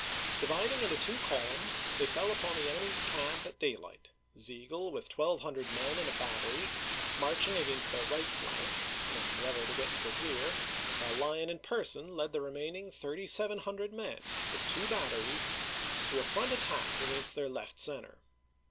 Dividing into two columns they fell upon the enemy's camp at daylight, Sigel, with 1200 men and a battery, marching against their right flank, in an endeavor to get to the rear, while Lyon in person led the remaining 3700 men, with two batteries, to a front attack against their left center.